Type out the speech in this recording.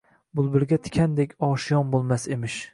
Bulbulga tikandek oshiyon bo‘lmas emish“.